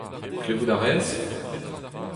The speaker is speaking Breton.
Klevout a rez ?